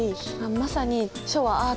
まさに「書はアートだ」